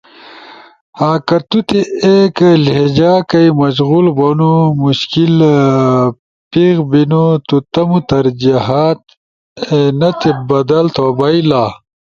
کہ تو تی ایک لہجہ کئی مشغول بونو مشکل پیخ بینو تو تمو ترجیحات این تی بدل تھو بئیلا۔